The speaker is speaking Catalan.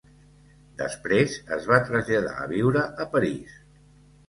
Després es va traslladar a viure a París.